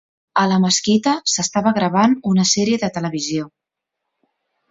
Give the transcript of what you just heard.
A la mesquita s'estava gravant una sèrie de televisió.